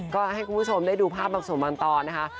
ก็ให้คุณผู้ชมได้ดูภาพบรรคสมบันตรณ์นะคะ